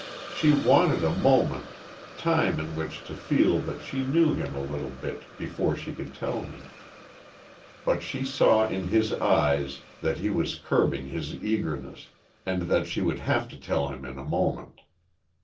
She wanted a moment, time in which to feel that she knew him a little bit, before she could tell him. But she saw in his eyes that he was curbing his eagerness, and that she would have to tell him in a moment.